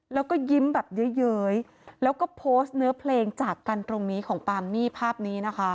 แล้วก็ยิ้มแบบเย้ยแล้วก็โพสต์เนื้อเพลงจากกันตรงนี้ของปามมี่ภาพนี้นะคะ